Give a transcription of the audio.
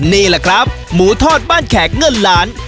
นี่แหละครับหมูทอดบ้านแขกเงินล้าน